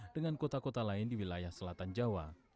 dengan kota kota lain di wilayah selatan jawa